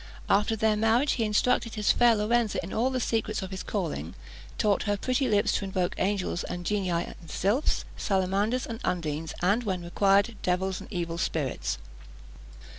After their marriage, he instructed his fair Lorenza in all the secrets of his calling taught her pretty lips to invoke angels, and genii, sylphs, salamanders, and undines, and, when need required, devils and evil spirits.